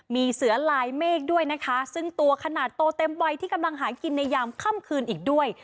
มีเสือลายเมฆด้วยนะคะซึ่งตัวขนาดโตเต็มวัยที่กำลังหากินในยามค่ำคืนอีกด้วย